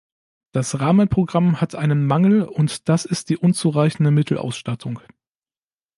Das Rahmenprogramm hat einen Mangel, und das ist die unzureichende Mittelausstattung.